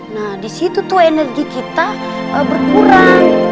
nah disitu tuh energi kita berkurang